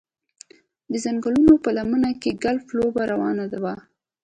د ځنګلونو په لمنه کې ګلف لوبه روانه وه